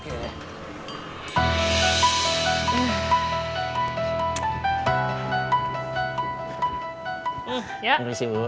terima kasih bu